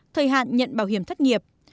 thời hạn nhận bảo hiểm thất nghiệp